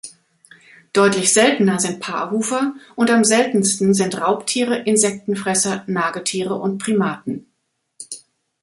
Deutlich seltener sind Paarhufer, und am seltensten sind Raubtiere, Insektenfresser, Nagetiere, und Primaten.